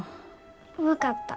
分かった。